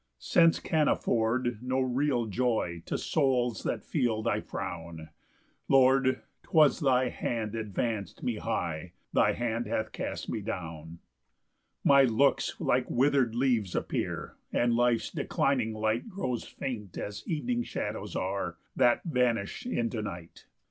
8 Sense can afford no real joy To souls that feel thy frown; Lord, 'twas thy hand advanc'd me high, Thy hand hath cast me down. 9 My looks like wither'd leaves appear, And life's declining light Grows faint as evening shadows are, That vanish into night.